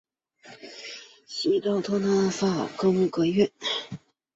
西到托特纳姆法院路。